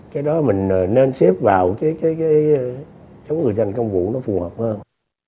cái đó mình nên xếp vào cho những người dành công vụ nó phù hợp hơn